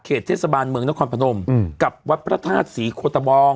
เทศบาลเมืองนครพนมกับวัดพระธาตุศรีโคตะบอง